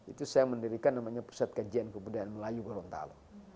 itu saya mendirikan namanya pusat kajian kebudayaan melayu gorontalo